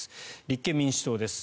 立憲民主党です。